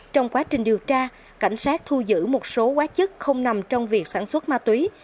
trong quá trình điều tra cảnh sát thu giữ một số quá chức không nằm trong việc sản xuất ma túy